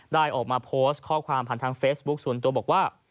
ได้ออกมาโพสต์ข้อความผ่านทางเฟซบุ๊คส่วนตัวบอกว่า